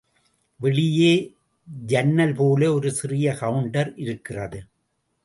வெளியே ஜன்னல் போல ஒரு சிறிய கவுண்டர் இருக்கிறது!